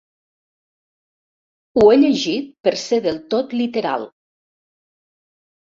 Ho he llegit per ser del tot literal.